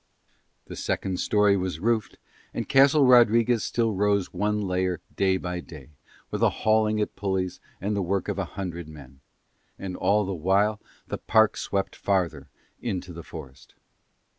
The second storey was roofed, and Castle Rodriguez still rose one layer day by day, with a hauling at pulleys and the work of a hundred men: and all the while the park swept farther into the forest.